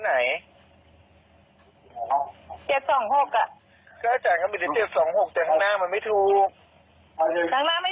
แหมอยากชูจะแย่เร็วอาจารย์กำลังขึ้นเต้นกันนะ